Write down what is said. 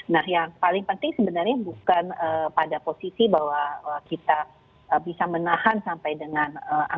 nah yang paling penting sebenarnya bukan pada posisi bahwa kita bisa menahan sampai dengan angka puncak yang tidak melebihi delta karena memang pola penularan